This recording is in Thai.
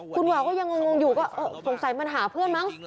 คุณวาวก็ยังงงอยู่ก็สงสัยมันหาเพื่อนมั้ง